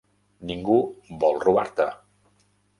Ningú vol robar-te.